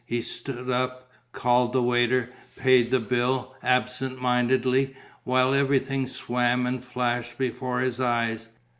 He stood up, called the waiter, paid the bill absent mindedly, while everything swam and flashed before his eyes.